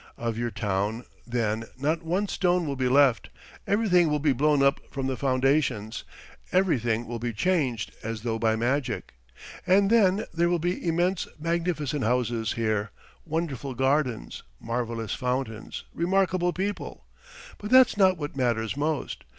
Of your town then not one stone will be left, everything will he blown up from the foundations, everything will be changed as though by magic. And then there will be immense, magnificent houses here, wonderful gardens, marvellous fountains, remarkable people. ... But that's not what matters most.